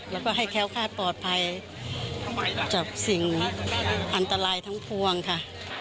แล้วก็ให้แค้วคาดปลอดภัยจับสิ่งอันตรายทั้งพวงค่ะ